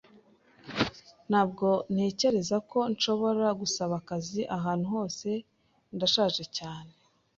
Ntabwo ntekereza ko nshobora gusaba akazi ahantu hose. Ndashaje cyane.